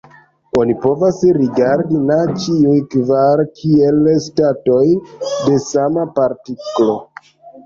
Oni povas rigardi na ĉiuj kvar kiel statoj de sama partiklo.